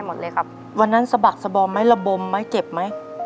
ไหนรบมเมื่อเจ็บไหม